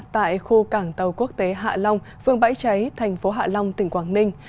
tại khu cảng tàu quốc tế hạ long phương bãi cháy thành phố hạ long tỉnh quảng ninh